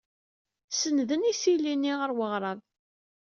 Sennden isili-nni ɣer weɣrab.